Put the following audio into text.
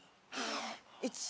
１。